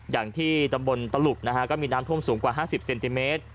อย่างที่ตำบลตลุกนะฮะก็มีน้ำท่วมสูงกว่า๕๐เซนติเมตร